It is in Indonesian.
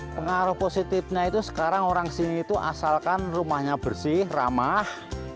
pengaruh positifnya itu sekarang orang sini itu asalkan rumahnya bersih ramah